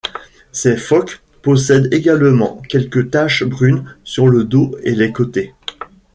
Ces phoques possèdent également quelques taches brunes sur le dos et les côtés.